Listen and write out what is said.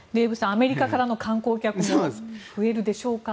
アメリカからの観光客も増えるでしょうか。